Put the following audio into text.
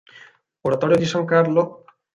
Oratorio di San Carlo